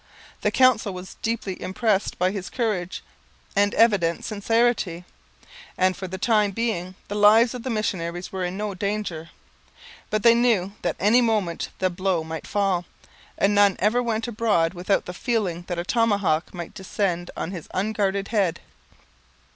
The council was deeply impressed by his courage and evident sincerity, and for the time being the lives of the missionaries were in no danger. But they knew that at any moment the blow might fall, and none ever went abroad without the feeling that a tomahawk might descend on his unguarded head.